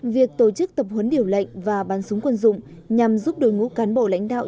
việc tổ chức tập huấn điều lệnh và bắn súng quân dụng nhằm giúp đội ngũ cán bộ lãnh đạo